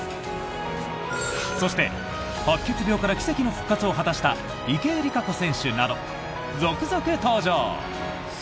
そして、白血病から奇跡の復活を果たした池江璃花子選手など続々登場！